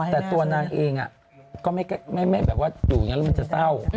แต่ตัวนางเองก็ไม่แบบว่าอยู่อย่างนั้นแล้วมันจะเศร้า